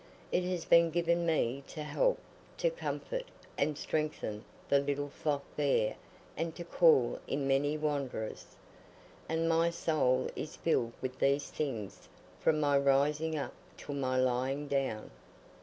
It has been given me to help, to comfort, and strengthen the little flock there and to call in many wanderers; and my soul is filled with these things from my rising up till my lying down.